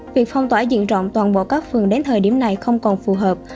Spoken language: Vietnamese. việc phong tỏa diện rộng toàn bộ các phường đến thời điểm này không còn phù hợp